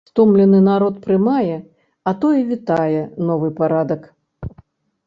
Стомлены народ прымае, а то і вітае новы парадак.